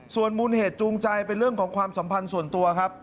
ส่วนมูลเหตุจูงใจเป็นเรื่องของความสัมพันธ์ส่วนตัวครับ